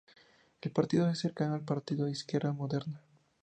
El partido es cercano al partido Izquierda Moderna.